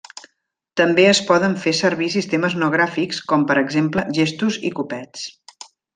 També es poden fer servir sistemes no gràfics com per exemple gestos i copets.